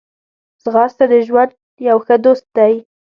ځغاسته د ژوند یو ښه دوست دی